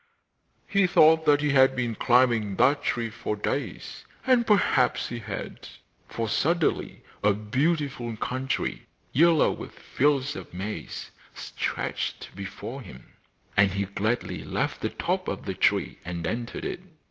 He thought that he had been climbing that tree for days, and perhaps he had, for suddenly a beautiful country, yellow with fields of maize, stretched before him, and he gladly left the top of the tree and entered it.